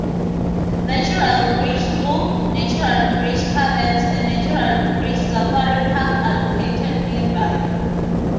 Natural Bridge Zoo, Natural Bridge Caverns and Natural Bridge Safari Park are located nearby.